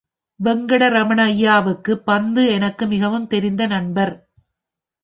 வெங்கடரமணய்யாவுக்கு பந்து எனக்கு மிகவும் தெரிந்த நண்பர்.